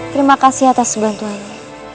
terima kasih atas bantuanmu